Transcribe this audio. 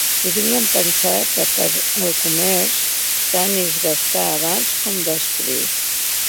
Podríem pensar que per al comerç, tant és gastar abans com després.